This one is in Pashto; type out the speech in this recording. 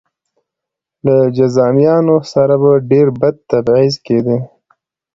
له جذامیانو سره به ډېر بد تبعیض کېده.